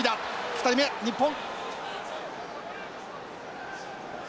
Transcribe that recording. ２人目日本！